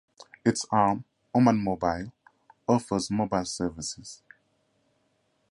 Its arm Omanmobile offers mobile services.